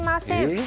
え⁉